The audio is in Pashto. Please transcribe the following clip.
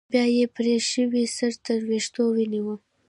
بيا يې پرې شوى سر تر ويښتو ونيو.